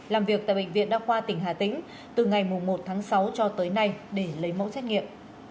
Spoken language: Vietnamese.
làm việc tại bệnh viện đa khoa tỉnh hà tĩnh từ ngày một tháng sáu cho tới nay để lấy mẫu xét nghiệm